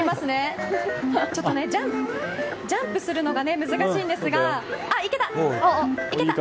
ジャンプするのが難しいですがいけた！